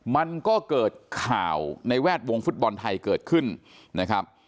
มันก็เกิดข่าวในแวดวงฟุตบอลไทยเกิดขึ้นนะครับ